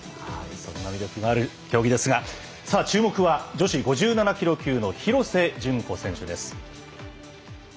そんな魅力のある競技ですが注目は女子５７キロ級の廣瀬順子選手です。